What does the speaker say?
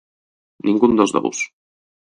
Ningún dos dous.